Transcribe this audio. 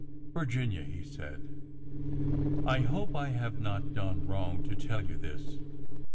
Virginia," he said, '' I hope I have not done wrong to tell you this.